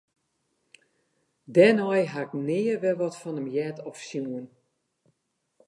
Dêrnei ha ik nea wer wat fan him heard of sjoen.